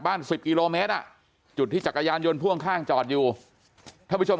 สิบกิโลเมตรอ่ะจุดที่จักรยานยนต์พ่วงข้างจอดอยู่ท่านผู้ชม